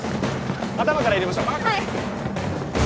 頭から入れましょうはい！